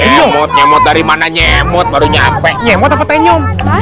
nyemot nyemot dari mana nyemot baru nyampe nyemot apa tenyum